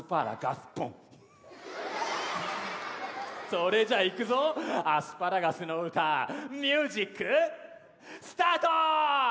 それじゃいくぞアスパラガスの歌ミュージックスタート！